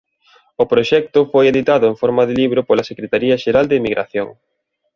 O proxecto foi editado en forma de libro pola Secretaría Xeral de Emigración.